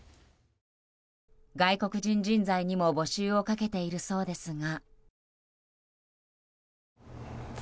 外国人人材にも募集をかけているそうですが。